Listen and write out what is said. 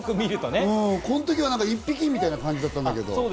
この時は一匹みたいな感じだったけど。